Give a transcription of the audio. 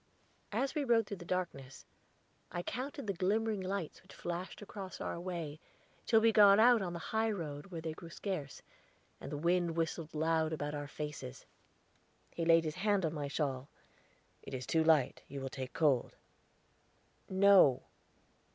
As we rode through the darkness I counted the glimmering lights which flashed across our way till we got out on the high road where they grew scarce, and the wind whistled loud about our faces. He laid his hand on my shawl. "It is too light; you will take cold." "No."